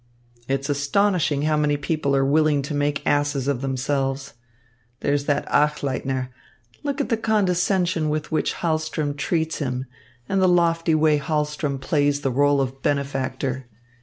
It's astonishing how many people are willing to make asses of themselves. There's that Achleitner look at the condescension with which Hahlström treats him and the lofty way Hahlström plays the rôle of benefactor!